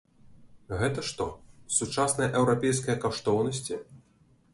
Гэта што, сучасныя еўрапейскія каштоўнасці?